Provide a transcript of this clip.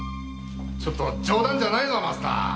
ちょっと冗談じゃないぞマスター。